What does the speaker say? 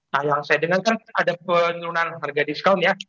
nah yang saya dengar kan ada penurunan harga diskon ya